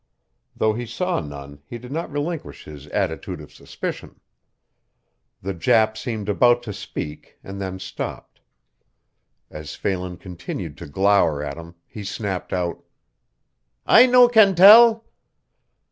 Though he saw none he did not relinquish his attitude of suspicion. The Jap seemed about to speak and then stopped. As Phelan continued to glower at him, he snapped out: "I no can tell."